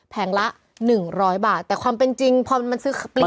ละ๑๐๐บาทแต่ความเป็นจริงพอมันซื้อปลี